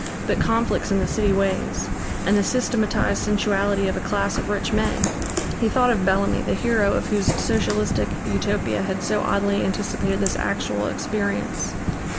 But conflicts in the city ways! And the systematised sensuality of a class of rich men! He thought of Bellamy, the hero of whose Socialistic Utopia had so oddly anticipated this actual experience.